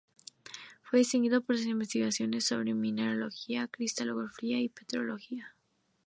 Fue distinguido por sus investigaciones sobre mineralogía, cristalografía y petrología.